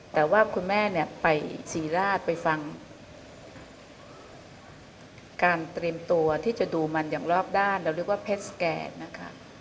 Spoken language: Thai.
แต่ว่าคุณแม่เนี่ยไปศรีราชไปฟังการเตรียมตัวที่จะดูมันอย่างรอบด้านเราเรียกว่าเพชรสแกนนะคะ